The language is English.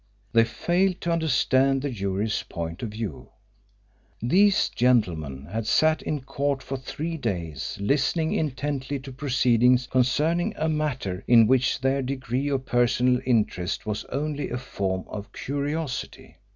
They failed to understand the jury's point of view. These gentlemen had sat in court for three days listening intently to proceedings concerning a matter in which their degree of personal interest was only a form of curiosity.